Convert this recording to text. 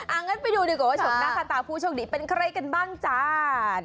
อ่าเงินไปดูหนีก่อนชมน่าคาตาผู้โชคดีเป็นใครกันบ้างจ้า